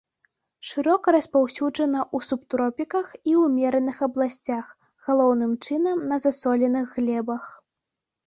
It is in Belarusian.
Шырока распаўсюджана ў субтропіках і ўмераных абласцях, галоўным чынам на засоленых глебах.